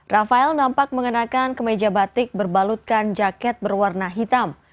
rafael nampak mengenakan kemeja batik berbalutkan jaket berwarna hitam